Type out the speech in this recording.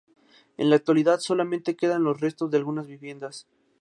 En la actualidad solamente quedan los restos de algunas viviendas.